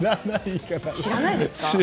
知らないですか？